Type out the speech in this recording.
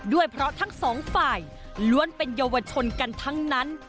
ด้วยเพราะทั้งสองฝ่ายล้วนเป็นเยาวชนกันทั้งนั้น